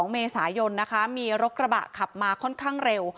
๒เมษายนนะคะมีรถกระบะขับมาค่อนข้างเร็ว